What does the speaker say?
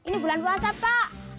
ini bulan puasa pak